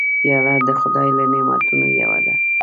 پیاله د خدای له نعمتونو یوه ده.